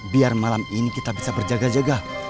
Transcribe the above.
biar malam ini kita bisa berjaga jaga